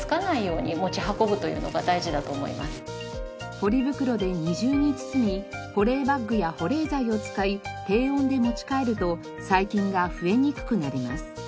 ポリ袋で２重に包み保冷バッグや保冷剤を使い低温で持ち帰ると細菌が増えにくくなります。